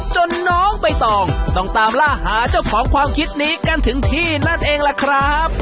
น้องใบตองต้องตามล่าหาเจ้าของความคิดนี้กันถึงที่นั่นเองล่ะครับ